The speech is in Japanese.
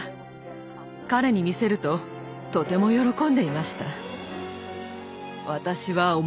彼に見せるととても喜んでいました。